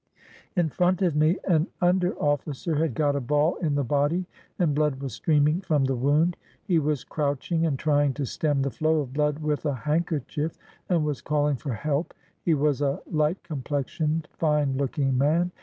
In front of me an under oflScer had got a ball in the body, and blood was streaming from the wound. He was crouching and trying to stem the flow of blood with a handkerchief, and was calUng for help. He was a light complexioned, fine looking man.